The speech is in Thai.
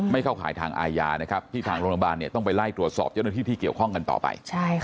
เข้าขายทางอาญานะครับที่ทางโรงพยาบาลต้องไปไล่ตรวจสอบเจ้าหน้าที่ที่เกี่ยวข้องกันต่อไป